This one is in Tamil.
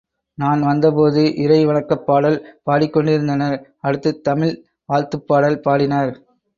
நான் வந்தபோது இறை வணக்கப் பாடல் பாடிக் கொண்டிருந்தனர் அடுத்துத் தமிழ் வாழ்த்துப் பாடல் பாடினர்.